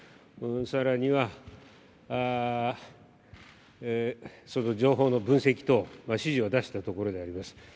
更には情報の分析等指示を出したところであります。